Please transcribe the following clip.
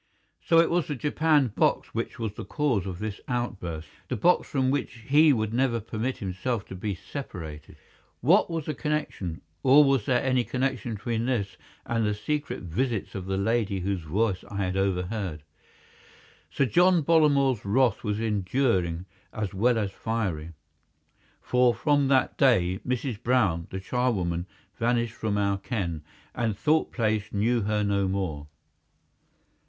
So it was the japanned box which was the cause of this outburst—the box from which he would never permit himself to be separated. What was the connection, or was there any connection between this and the secret visits of the lady whose voice I had overheard? Sir John Bollamore's wrath was enduring as well as fiery, for from that day Mrs. Brown, the charwoman, vanished from our ken, and Thorpe Place knew her no more.